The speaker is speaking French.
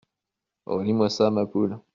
Relis-moi ça, ma poule.